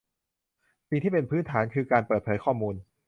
สิ่งที่เป็นพื้นฐานคือการเปิดเผยข้อมูล